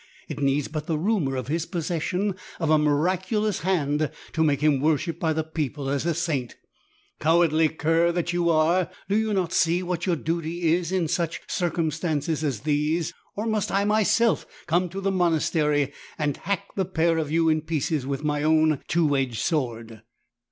It needs but the rumour of his possession of a miraculous hand to make him worshipped by the people as a saint. Cowardly cur that you are ! do you not see what your duty is in such circumstances as these? Or must I myself come to the monastery and hack the pair of you in pieces with my own two edged sword?"